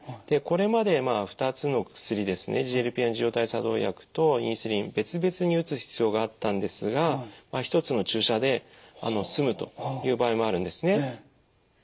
でこれまでまあ２つの薬ですねＧＬＰ−１受容体作動薬とインスリン別々に打つ必要があったんですが一つの注射で済むという場合もあるんですね。